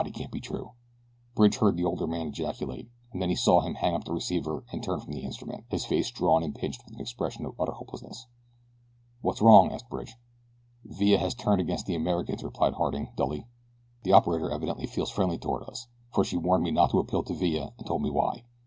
it can't be true," Bridge heard the older man ejaculate, and then he saw him hang up the receiver and turn from the instrument, his face drawn and pinched with an expression of utter hopelessness. "What's wrong?" asked Bridge. "Villa has turned against the Americans," replied Harding, dully. "The operator evidently feels friendly toward us, for she warned me not to appeal to Villa and told me why.